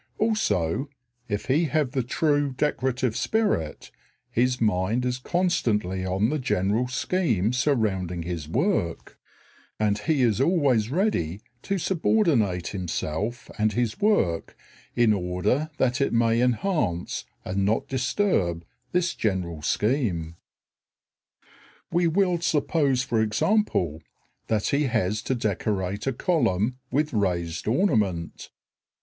Also, if he have the true decorative spirit, his mind is constantly on the general scheme surrounding his work, and he is always ready to subordinate himself and his work in order that it may enhance and not disturb this general scheme. We will suppose, for example, that he has to decorate a column with raised ornament.